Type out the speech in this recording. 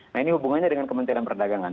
nah ini hubungannya dengan kementerian perdagangan